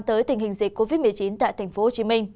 tới tình hình dịch covid một mươi chín tại tp hcm